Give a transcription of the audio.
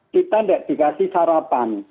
kita tidak dikasih sarapan